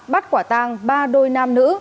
bắt quả tang ba đôi nam nữ